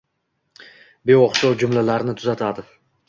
beo‘xshov jumlalarni tuzatadi.